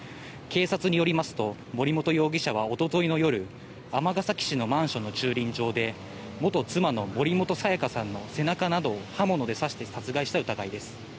警察によりますと森本容疑者は一昨日夜、尼崎市のマンションの駐輪場で、元妻の森本彩加さんの背中などを刃物で刺して殺害した疑いです。